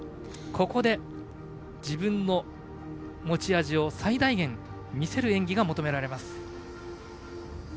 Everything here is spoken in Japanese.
ここで自分の持ち味を最大限見せる演技が求められます。